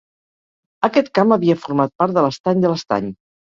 Aquest camp havia format part de l'estany de l'Estany.